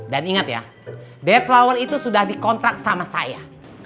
dan ingat ya death flower itu sudah dikontrak sama saya